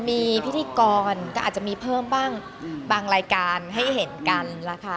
มีพิธีกรก็อาจจะมีเพิ่มบ้างบางรายการให้เห็นกันนะคะ